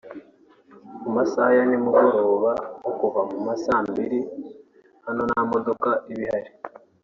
“Mu masaha ya nimugoroba nko kuva mu masa mbili hano nta modoka iba ihari